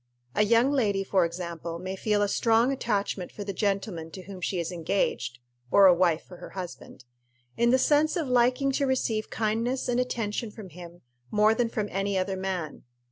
A young lady, for example, may feel a strong attachment for the gentleman to whom she is engaged or a wife for her husband in the sense of liking to receive kindness and attention from him more than from any other man.